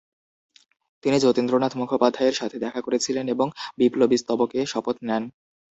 তিনি যতীন্দ্রনাথ মুখোপাধ্যায়ের সাথে দেখা করেছিলেন এবং বিপ্লবীস্তবকে শপথ নেন।